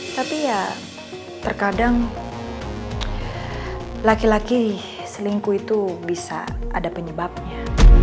tapi ya terkadang laki laki selingkuh itu bisa ada penyebabnya